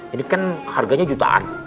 ini kan harganya jutaan